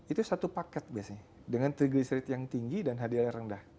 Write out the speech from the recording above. itu satu paket biasanya dengan triglyceride yang tinggi dan hadiah yang rendah